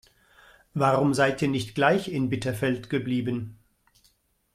Warum seid ihr nicht gleich in Bitterfeld geblieben?